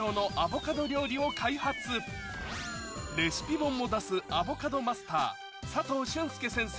本も出すアボカドマスター佐藤俊介先生